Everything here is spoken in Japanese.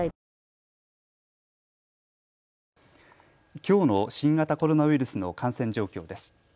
きょうの新型コロナウイルスの感染状況です。